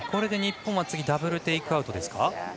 日本は次ダブルテイクアウトですか。